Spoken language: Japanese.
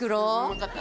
分かった。